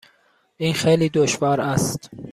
این خیلی دشوار است.